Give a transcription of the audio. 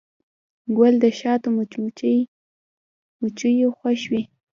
ګل د شاتو مچیو خوښ وي.